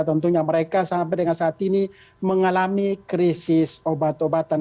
tentunya mereka sampai dengan saat ini mengalami krisis obat obatan